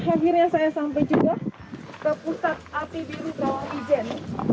akhirnya saya sampai juga ke pusat api biru kawang ijen